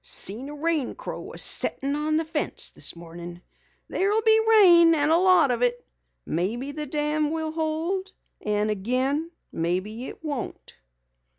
"Seen a rain crow a settin' on the fence this morning. There'll be rain an' a lot of it. Maybe the dam will hold, an' again, maybe it won't."